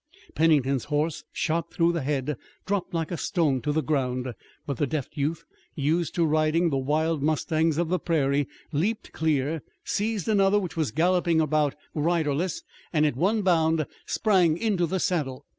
Pennington's horse, shot through the head, dropped like a stone to the ground, but the deft youth, used to riding the wild mustangs of the prairie, leaped clear, seized another which was galloping about riderless, and at one bound sprang into the saddle.